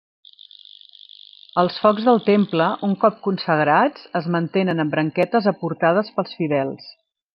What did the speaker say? Els focs del temple, un cop consagrats, es mantenen amb branquetes aportades pels fidels.